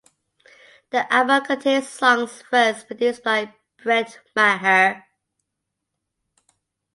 The album contained songs first produced by Brent Maher.